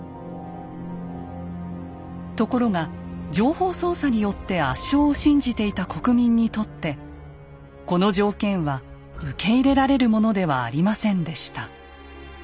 ところが情報操作によって圧勝を信じていた国民にとってこの条件は受け入れられるものではありませんでした。